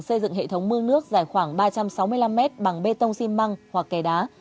xây dựng hệ thống mương nước dài khoảng ba trăm sáu mươi năm mét bằng bê tông xi măng hoặc kè đá